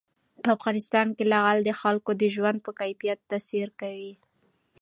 په افغانستان کې لعل د خلکو د ژوند په کیفیت تاثیر کوي.